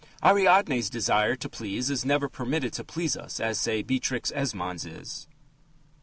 Ariadne's desire to please is never permitted to please us as, say, Beatrix Esmond's is.